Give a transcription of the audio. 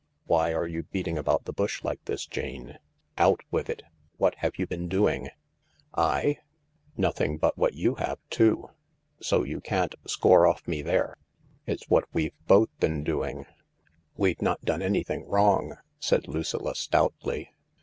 Why are you beating about the bush like this, Jane ? Out with it 1 What have you been doing ?"" I ? Nothing but what you have too, so you can't score off me there. It's what we've both been doing." " We've not done anything wrong," said Lucilla stoutly.